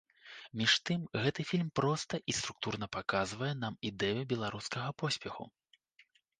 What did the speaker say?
Між тым, гэты фільм проста і структурна паказвае нам ідэю беларускага поспеху.